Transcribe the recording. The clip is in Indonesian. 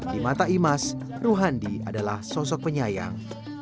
di mata imas ruhandi adalah sosok penyayang